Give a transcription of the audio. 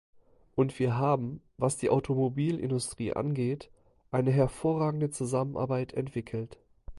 Und wir haben, was die Automobilindustrie angeht, eine hervorragende Zusammenarbeit entwickelt.